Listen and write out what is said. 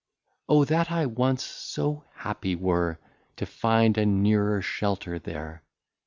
O that I once so happy were, To find a nearer Shelter there!